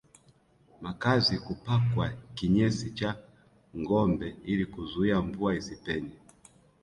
Makazi kupakwa kinyesi cha ngombe ili kuzuia mvua isipenye